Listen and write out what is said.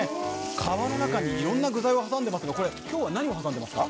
皮の中にいろんな具材を挟んでいますが、今日は何を挟んでますか。